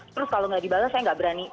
terus kalau nggak dibalas saya nggak berani